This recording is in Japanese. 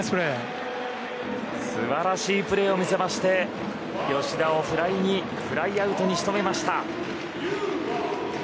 素晴らしいプレーを見せまして吉田をフライアウトに仕留めました。